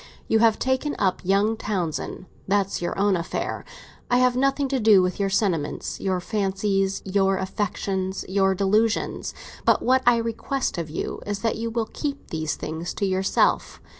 You have taken up young Townsend; that's your own affair. I have nothing to do with your sentiments, your fancies, your affections, your delusions; but what I request of you is that you will keep these things to yourself.